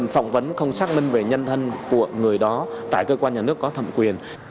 phỏng vấn không xác minh về nhân thân của người đó tại cơ quan nhà nước có thẩm quyền